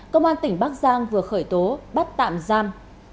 công an tỉnh bắc giang vừa khởi tố bắt tạm giam